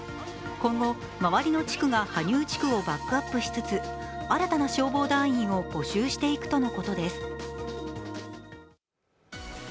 今後、周りの地区が羽生地区をバックアップしつつ新たな消防団員を募集していくとのことです。